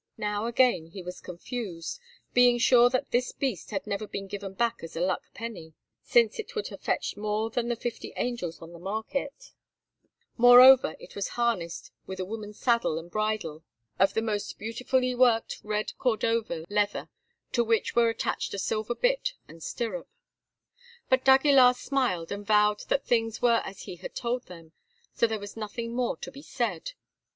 Now again he was confused, being sure that this beast had never been given back as a luck penny, since it would have fetched more than the fifty angels on the market; moreover, it was harnessed with a woman's saddle and bridle of the most beautifully worked red Cordova leather, to which were attached a silver bit and stirrup. But d'Aguilar smiled, and vowed that things were as he had told them, so there was nothing more to be said.